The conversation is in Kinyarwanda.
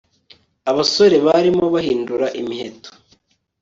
Abasore barimo bahindura imiheto